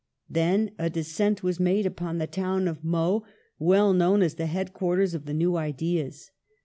Then a descent was made upon the town of Meaux, well known as the headquarters of the new ideas.